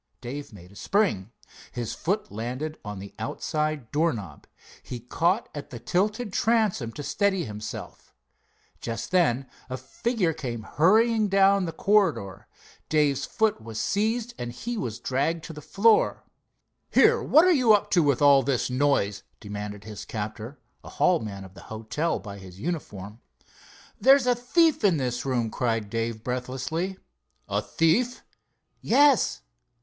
Dave made a spring. His foot landed on the outside door knob. He caught at the tilted transom to steady himself. Just then a figure came hurrying down the corridor. Dave's foot was seized and he was dragged to the floor. "Here, what you up to, with all this noise?" demanded his captor, a hall man of the hotel, by his uniform. "There's a thief in that room," cried Dave breathlessly. "A thief?" "Yes."